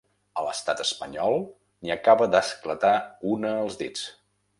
A l’estat espanyol n’hi acaba d’esclatar una als dits.